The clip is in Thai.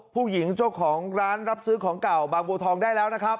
ผู้หญิงเจ้าของร้านรับซื้อของเก่าบางบัวทองได้แล้วนะครับ